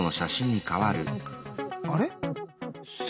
あれ？